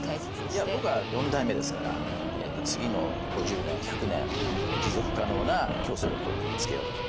いや僕は４代目ですから次の５０年１００年持続可能な競争力を身につけようと。